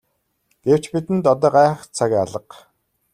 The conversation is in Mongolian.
Гэвч бидэнд одоо гайхах цаг алга.